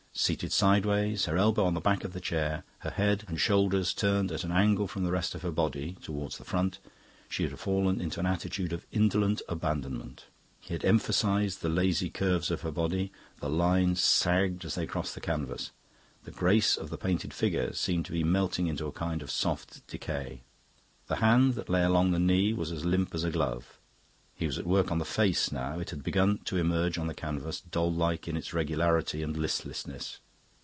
Seated sideways, her elbow on the back of the chair, her head and shoulders turned at an angle from the rest of her body, towards the front, she had fallen into an attitude of indolent abandonment. He had emphasised the lazy curves of her body; the lines sagged as they crossed the canvas, the grace of the painted figure seemed to be melting into a kind of soft decay. The hand that lay along the knee was as limp as a glove. He was at work on the face now; it had begun to emerge on the canvas, doll like in its regularity and listlessness.